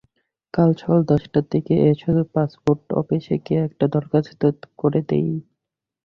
কাল সকাল দশটার দিকে এসো, পাসপোর্ট অফিসে গিয়ে একটা দরখাস্ত করে দিই।